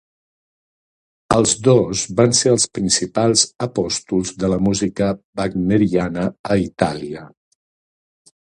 Els dos van ser els principals apòstols de la música wagneriana a Itàlia.